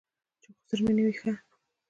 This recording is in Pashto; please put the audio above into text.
چې خسر مې نه وي ښه.